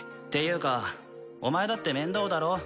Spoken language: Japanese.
ていうかお前だって面倒だろ？